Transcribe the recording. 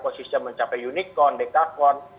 posisinya mencapai unicorn dekakorn